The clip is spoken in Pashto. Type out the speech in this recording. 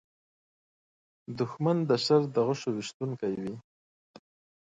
دښمن د شر د غشو ویشونکی وي